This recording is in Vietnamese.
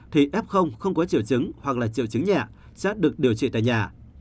thì f không có triệu chứng hoặc là triệu chứng nhẹ sẽ được điều trị tại nhà